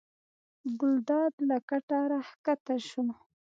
ګلداد له کټه راکښته شو.